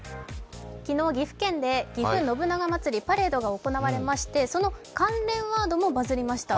昨日岐阜県でぎふ信長まつりパレードが行われましてその関連ワードもバズりました。